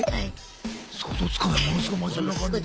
想像つかないものすごい真面目な感じで。